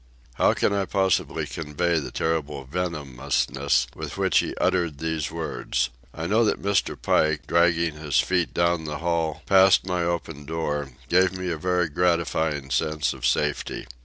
How can I possibly convey the terrible venomousness with which he uttered these words? I know that Mr. Pike, dragging his feet down the hall past my open door, gave me a very gratifying sense of safety.